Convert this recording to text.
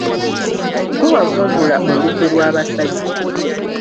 Ggwe wavumbula olukwe lw'abasajja.